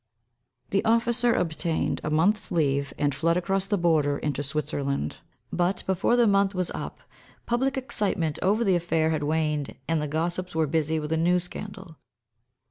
The officer obtained a month's leave and fled across the border into Switzerland, but, before the month was up, public excitement over the affair had waned, and the gossips were busy with a new scandal.